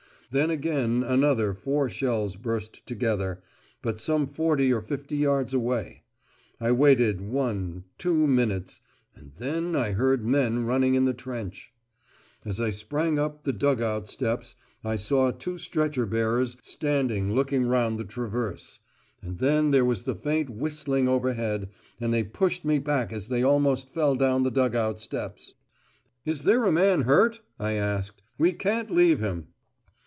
Then again another four shells burst together, but some forty or fifty yards away. I waited one, two minutes. And then I heard men running in the trench. As I sprang up the dug out steps, I saw two stretcher bearers standing looking round the traverse. And then there was the faint whistling overhead and they pushed me back as they almost fell down the dug out steps. "Is there a man hurt?" I asked. "We can't leave him."